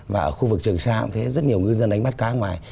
và ở khu vực trường sa cũng thế rất nhiều ngư dân đánh bắt cá ngoài